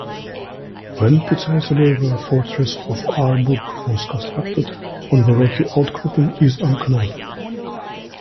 When, precisely, the fortress of Aarburg was constructed on the rocky outcropping is unknown.